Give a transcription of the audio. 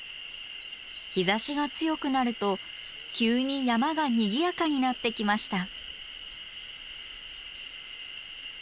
日ざしが強くなると急に山がにぎやかになってきました。